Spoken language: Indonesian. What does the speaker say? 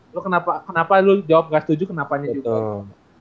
lu kenapa lu jawab nggak setuju kenapanya juga